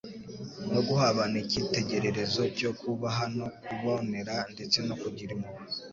no guha abantu icyitegererezo cyo kubaha no kubonera ndetse no kugira impuhwe.